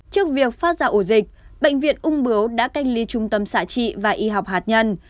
trước việc phát ra ổ dịch bệnh viện úng biếu đã cách ly trung tâm xã trị và y học hạt nhân